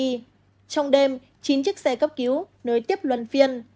trong đêm chín chiếc xe cấp cứu nơi tiếp luân phiên